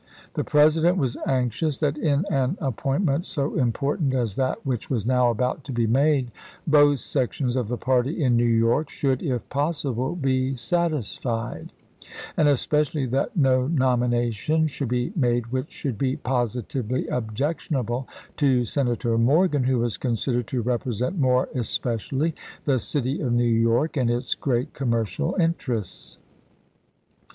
The President was anxious that in an appoint ment so important as that which was now about to be made both sections of the party in New York should, if possible, be satisfied ; and especially that no nominations should be made which should be positively objectionable to Senator Morgan, who was considered to represent more especially the city of New York and its great commercial inter ests.